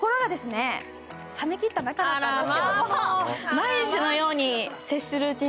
毎日のように接するように。